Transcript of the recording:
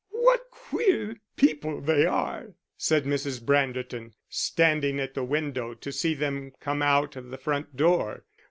"What queer people they are!" said Mrs. Branderton, standing at the window to see them come out of the front door.